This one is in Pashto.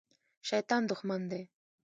شیطان دښمن دی